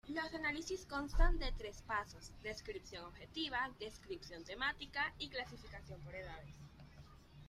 Los análisis constan de tres pasos: descripción objetiva, descripción temática y clasificación por edades.